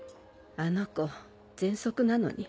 あの子ぜんそくなのに。